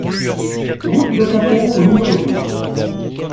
Route de Quimper au numéro douze